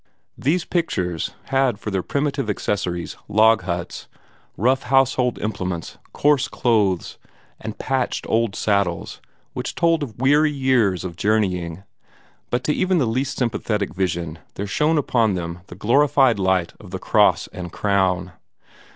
These pictures had for their primitive accessories log huts, rough household implements, coarse clothes, and patched old saddles which told of weary years of journeying; but to even the least sympathetic vision there shone upon them the glorified light of the Cross and Crown.